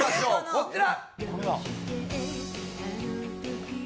こちら。